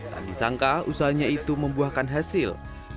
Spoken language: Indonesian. tadi sangka usahanya itu membuahkan hasil